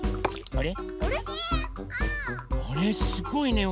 あれ？